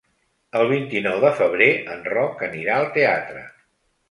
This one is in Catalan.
El vint-i-nou de febrer en Roc anirà al teatre.